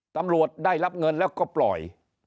ตำรวจได้รับเงินแล้วก็ปล่อย